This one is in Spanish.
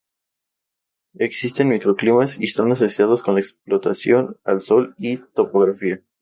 Existen microclimas y están asociados con la exposición al sol y la topografía.